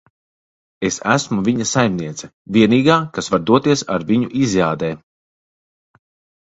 Es esmu viņa saimniece. Vienīgā, kas var doties ar viņu izjādē.